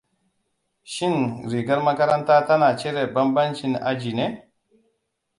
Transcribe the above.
Shin rigar makaranta tana cire banbancin aji ne?